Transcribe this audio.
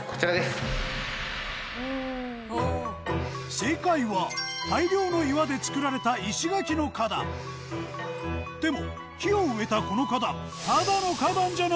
正解は大量の岩で作られた石垣の花壇でも木を植えたこの花壇